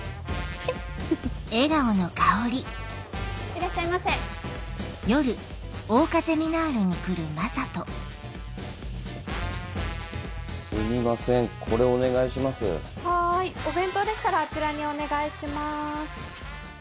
はいお弁当でしたらあちらにお願いします。